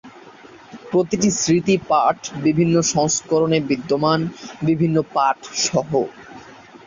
প্রতিটি স্মৃতি পাঠ বিভিন্ন সংস্করণে বিদ্যমান, বিভিন্ন পাঠ সহ।